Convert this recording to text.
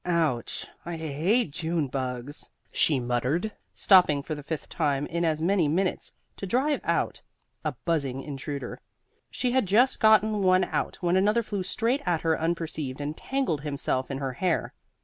"Ouch, how I hate June bugs," she muttered, stopping for the fifth time in as many minutes to drive out a buzzing intruder. She had just gotten one out when another flew straight at her unperceived and tangled himself in her hair.